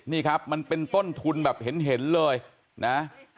นี่ครับมันเป็นต้นทุนแบบเห็นเลยนะ